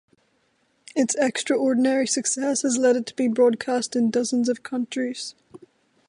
Its extraordinary success has led it to be broadcast in dozens of countries.